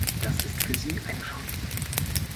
Das ist für Sie eine Chance.